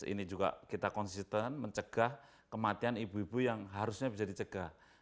ini juga kita konsisten mencegah kematian ibu ibu yang harusnya bisa dicegah